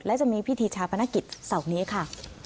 และจะมีพิธีชาปนกิจเสาร์นี้ค่ะ